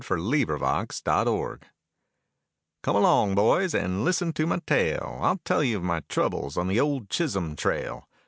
THE OLD CHISHOLM TRAIL Come along, boys, and listen to my tale, I'll tell you of my troubles on the old Chisholm trail.